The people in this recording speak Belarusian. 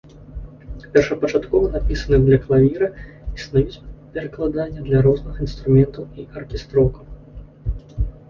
Першапачаткова напісаны для клавіра, існуюць перакладанні для розных інструментаў і аркестроўка.